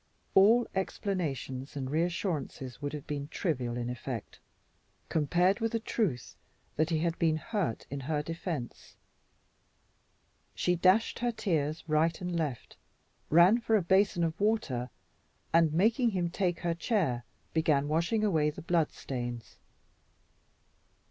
All explanations and reassurances would have been trivial in effect, compared with the truth that he had been hurt in her defense. She dashed her tears right and left, ran for a basin of water, and making him take her chair, began washing away the blood stains.